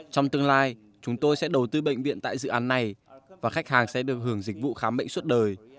trong tương lai chúng tôi sẽ đầu tư bệnh viện tại dự án này và khách hàng sẽ được hưởng dịch vụ khám bệnh suốt đời